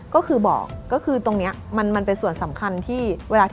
ก็คือบอกตรงนี้มันเป็นส่วนสำคัญที่